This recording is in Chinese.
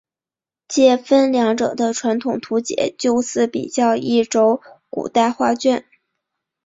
介分两者的传统图解就似比较一轴古代画卷。